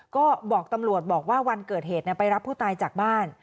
ก็บอกตำรวจบอกว่าวันเกิดเหตุไปรับผู้ตายจากบ้าน